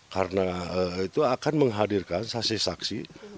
karena itu akan menghadirkan saksi saksi